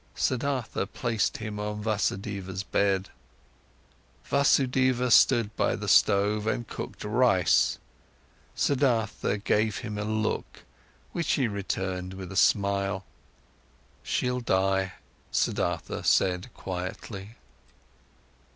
Siddhartha placed him on Vasudeva's bed. Vasudeva stood by the stove and cooked rice. Siddhartha gave him a look, which he returned with a smile. "She'll die," Siddhartha said quietly.